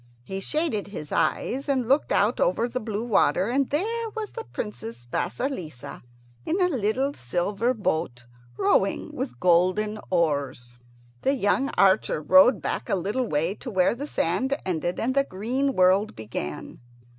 He shaded his eyes and looked out over the blue water, and there was the Princess Vasilissa in a little silver boat, rowing with golden oars. The young archer rode back a little way to where the sand ended and the green world began.